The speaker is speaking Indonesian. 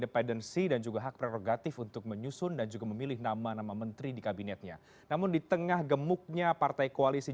pasti yang terbanyak